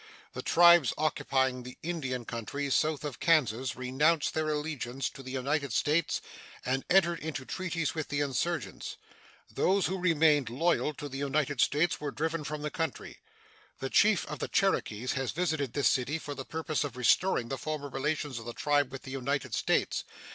The tribes occupying the Indian country south of Kansas renounced their allegiance to the United States and entered into treaties with the insurgents. Those who remained loyal to the United States were driven from the country. The chief of the Cherokees has visited this city for the purpose of restoring the former relations of the tribe with the United States.